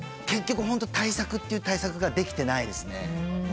結局本当対策っていう対策ができてないですね。